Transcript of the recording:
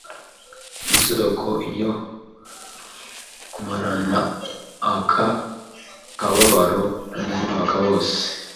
Isoko yo kumarana aka kababaro umwaka wose,